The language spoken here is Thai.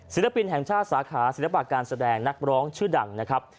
ศิลปินแห่งชาติสาขาศิลปะการแสดงนักร้องชื่อดังนะครับ